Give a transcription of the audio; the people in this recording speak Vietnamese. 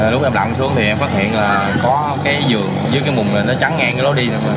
lúc em lặng xuống thì em phát hiện là có cái giường dưới cái mùng này nó trắng ngang cái lối đi